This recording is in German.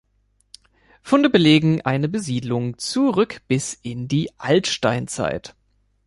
Funde belegen eine Besiedlung zurück bis in die Altsteinzeit.